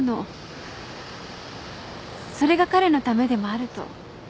それが彼のためでもあると。